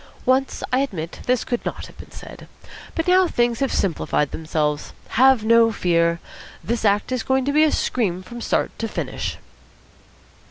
Once, I admit, this could not have been said. But now things have simplified themselves. Have no fear. This act is going to be a scream from start to finish."